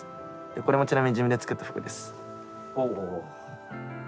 これもちなみに自分で作った服です。